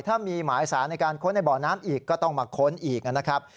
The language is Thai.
ถ้ามีหมายสารในการค้นในบ่อน้ำอีกก็ต้องมาค้นอีกนะครับ